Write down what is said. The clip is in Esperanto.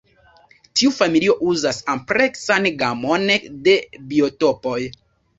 Tiu familio uzas ampleksan gamon de biotopoj.